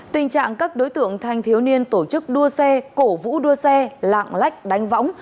tình trạng các đối tượng thanh thiếu niên tổ chức đua xe cổ vũ đua xe lạng lách đánh võng